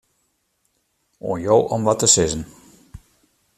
Oan jo om wat te sizzen.